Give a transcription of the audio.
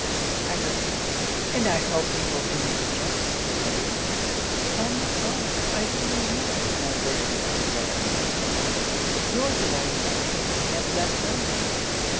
I repeat and I hope you will do me the justice to believe me upon my honour I do not know whither Mr. Delamere is gone nor do I know that he has left London.'